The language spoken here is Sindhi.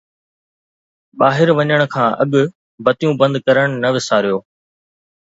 ٻاهر وڃڻ کان اڳ بتيون بند ڪرڻ نه وساريو